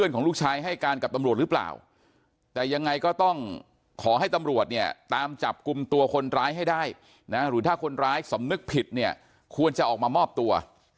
ไม่รู้สมมึงผิดนี้ควรจะออกมามอบตัว